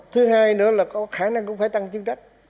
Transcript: thứ hai nữa là có khả năng cũng phải tăng chức trách